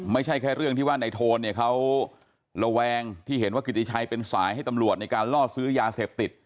ไม่ใช่แค่เรื่องที่ว่าในโทนเนี่ยเขาระแวงที่เห็นว่ากิติชัยเป็นสายให้ตำรวจในการล่อซื้อยาเสพติด